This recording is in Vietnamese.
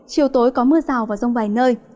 chiều tối có mưa rào và rông vài nơi